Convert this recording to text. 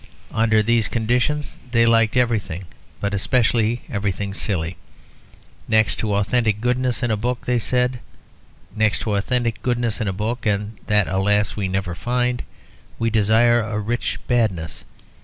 Under these conditions they liked everything, but especially everything silly. "Next to authentic goodness in a book," they said "next to authentic goodness in a book (and that, alas! we never find) we desire a rich badness."